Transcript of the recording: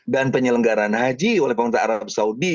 dan penyelenggaran haji oleh pemerintah arab saudi